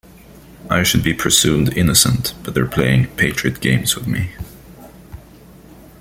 I should be presumed innocent but they're playing patriot games with me.